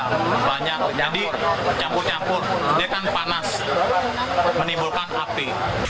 terlalu banyak jadi campur campur dia kan panas menimbulkan api